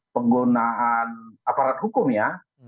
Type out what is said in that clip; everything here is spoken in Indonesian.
penggunaan aparat hukum ya